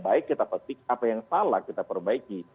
baik kita petik apa yang salah kita perbaiki